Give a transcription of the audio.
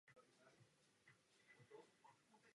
Nejprve odmítli spolupracovat.